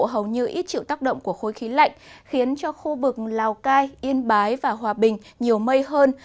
nắng nắng diện rộng của khối khí lạnh khiến cho khu vực lào cai yên bái và hòa bình nhiều mây hơn